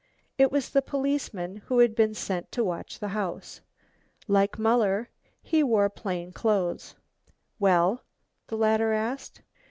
It was the policeman who had been sent to watch the house. Like Muller, he wore plain clothes. "Well?" the latter asked.